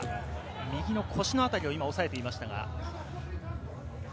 右の腰の辺りを押さえていました。